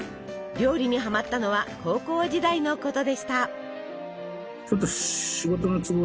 料理にハマったのは高校時代のことでした。